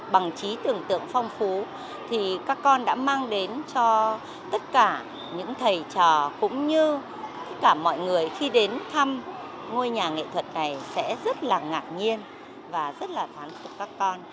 bằng trí tưởng tượng phong phú thì các con đã mang đến cho tất cả những thầy trò cũng như tất cả mọi người khi đến thăm ngôi nhà nghệ thuật này sẽ rất là ngạc nhiên và rất là thoáng phục các con